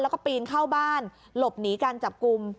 แล้วก็ปีนเข้าบ้านหลบหนีการจับกลุ่ม